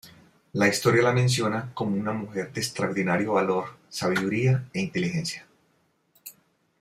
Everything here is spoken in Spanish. La historia la menciona como una mujer de extraordinario valor, sabiduría e inteligencia.